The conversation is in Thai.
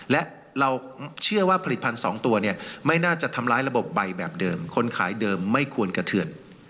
และเราเชื่อว่าผลิตภัณฑ์๒ตัวเนี่ยไม่น่าจะทำร้ายระบบใบแบบเดิมคนขายเดิมไม่ควรกระเทือน